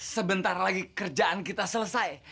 sebentar lagi kerjaan kita selesai